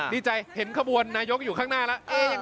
ดีใจเห็นขบวนนายกอยู่ข้างหน้าแล้ว